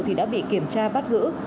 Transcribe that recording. thì đã bị kiểm tra bắt giữ